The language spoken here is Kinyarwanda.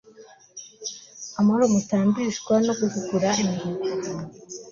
amahoro mutambishwa no guhigura imihigo